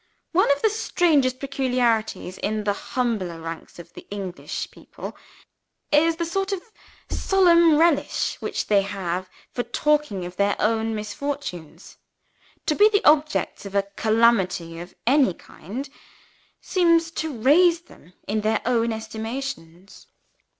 One of the strangest peculiarities in the humbler ranks of the English people, is the sort of solemn relish which they have for talking of their own misfortunes. To be the objects of a calamity of any kind, seems to raise them in their own estimations.